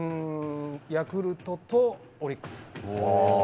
ヤクルトとオリックス。